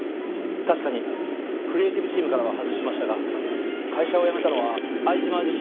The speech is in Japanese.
確かにクリエイティブチームからは外しましたが会社を辞めたのは相島自身の決断です。